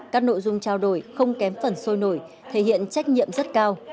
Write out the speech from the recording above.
các nội dung trao đổi không kém phần sôi nổi thể hiện trách nhiệm rất cao